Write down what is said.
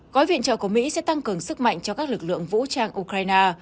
gói viện trợ của mỹ sẽ tăng cường sức mạnh cho các lực lượng vũ trang ukraine